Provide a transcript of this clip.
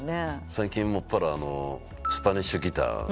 最近もっぱらスパニッシュギターですよ。